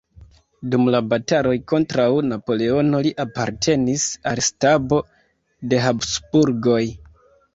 Dum la bataloj kontraŭ Napoleono li apartenis al stabo de Habsburgoj.